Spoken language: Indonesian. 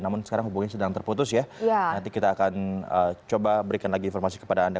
namun sekarang hubungannya sedang terputus ya nanti kita akan coba berikan lagi informasi kepada anda